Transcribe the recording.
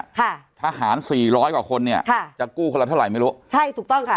ค่ะทหารสี่ร้อยกว่าคนเนี่ยค่ะจะกู้คนละเท่าไหร่ไม่รู้ใช่ถูกต้องค่ะ